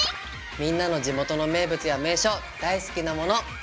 みんなの地元の名物や名所大好きなもの。